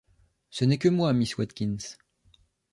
Ce n’est que moi, miss Watkins.